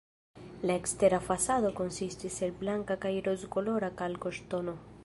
La ekstera fasado konsistis el blanka kaj rozkolora kalkoŝtono.